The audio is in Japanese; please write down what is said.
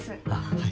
はい。